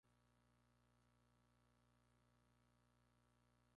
Actualmente, de propiedad municipal, la cubierta de su secadero está bastante deteriorada.